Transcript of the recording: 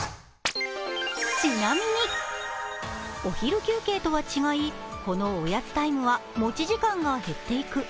お昼休憩とは違い、このおやつタイムは持ち時間が減っていく。